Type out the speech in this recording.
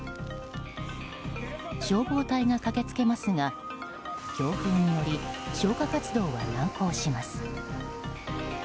消防隊が駆けつけますが強風により消火活動は難航します。